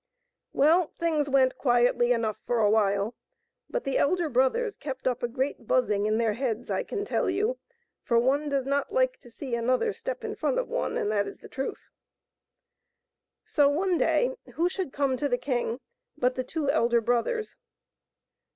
Well, things went quietly enough for a while, but the elder brothers kept up a g^eat buzzing in their heads, I can tell you ; for one does not like to see another step in front of one, and that is the truth. So, one day, who should come to the king but the two elder brothers.